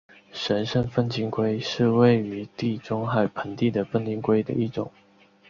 神圣粪金龟是位于地中海盆地的粪金龟的一种。